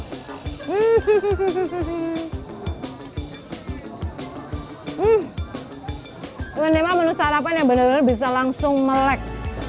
ini memang menu sarapan yang benar benar bisa langsung melek